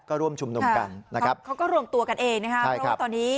ก็ร่วมชุมนุมกันนะครับเขาก็รวมตัวกันเองนะครับเพราะว่าตอนนี้